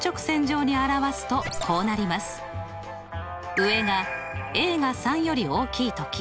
上がが３より大きい時。